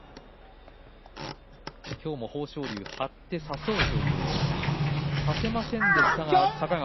今日も豊昇龍張って差そうという動きをさせませんでした、大栄翔。